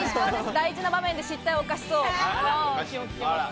大事な場面で失態をおかしそう。